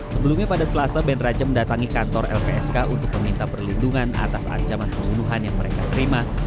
sebelumnya pada selasa band raja mendatangi kantor lpsk untuk meminta perlindungan atas ancaman pembunuhan yang mereka terima